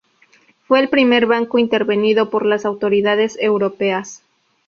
Fue el primer banco intervenido por las autoridades europeas.